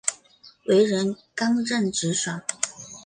为人刚正直爽。